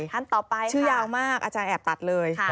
ท่านต่อไปชื่อยาวมากอาจารย์แอบตัดเลย